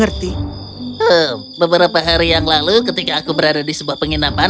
beberapa hari yang lalu ketika aku berada di sebuah penginapan